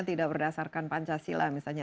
tidak berdasarkan pancasila misalnya